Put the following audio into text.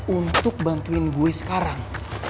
untuk bantuin gue sekarang